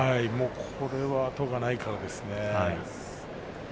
これは後がないですからね。